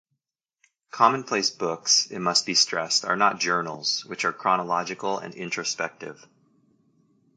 Commonplace books, it must be stressed, are not journals, which are chronological and introspective.